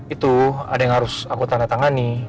itu ada yang harus aku tanda tangani